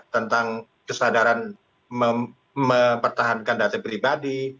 tentang kesadaran mempertahankan data pribadi